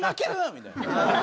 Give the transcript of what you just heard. みたいな。